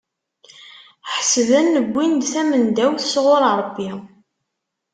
Ḥesben wwin-d tamendawt sɣur Rebbi.